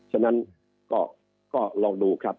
ฉะนั้นก็ลองดูครับ